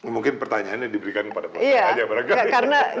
mungkin pertanyaannya diberikan kepada bos